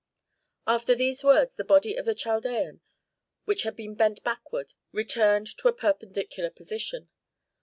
After these words the body of the Chaldean, which had been bent backward, returned to a perpendicular position.